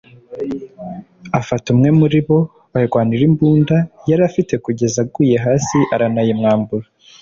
afata umwe muri bo barwanira imbunda yari afite kugeza aguye hasi aranayimwambura